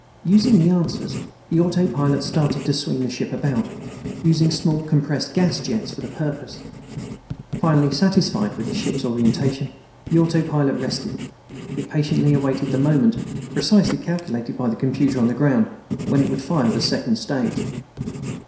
Using the answers, the autopilot started to swing the ship about, using small compressed gas jets for the purpose. Finally, satisfied with the ship's orientation, the autopilot rested. It patiently awaited the moment, precisely calculated by the computer on the ground, when it would fire the second stage.